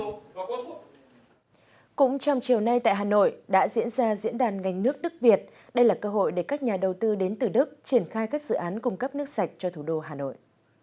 cũng trong chiều nay tại hà nội đã diễn ra diễn đàn ngành nước đức việt đây là cơ hội để các nhà đầu tư đến từ đức triển khai các dự án cung cấp nước sạch cho thủ đô hà nội